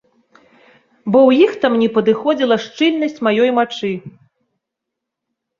Бо ў іх там не падыходзіла шчыльнасць маёй мачы.